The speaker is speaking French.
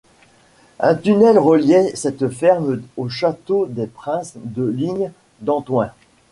Un tunnel reliait cette ferme au château des Princes de Ligne d’Antoing.